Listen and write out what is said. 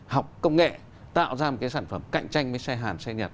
học công nghệ tạo ra một cái sản phẩm cạnh tranh với xe hàn xe nhật